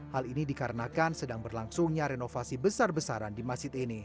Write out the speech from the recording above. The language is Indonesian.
hal ini dikarenakan sedang berlangsungnya renovasi besar besaran di masjid ini